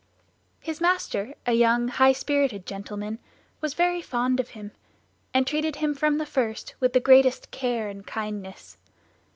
His master, a young, high spirited gentleman, was very fond of him, and treated him from the first with the greatest care and kindness.